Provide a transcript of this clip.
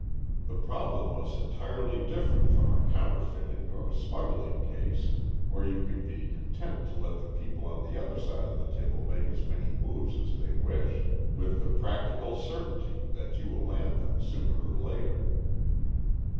The problem was entirely different from a counterfeiting or smuggling case, where you can be content to let the people on the other side of the table make as many moves as they wish, with the practical certainty that you'll land them sooner or later.